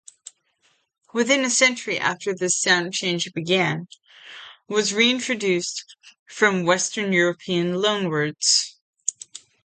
Within a century after this sound change began, was re-introduced from Western European loanwords.